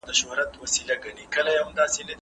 زه افغانستان سره مينه لرم